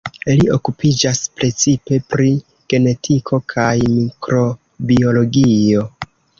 Li okupiĝas precipe pri genetiko kaj mikrobiologio.